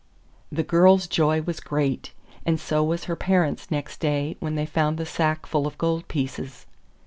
The girl's joy was great, and so was her parents' next day when they found the sack full of gold pieces.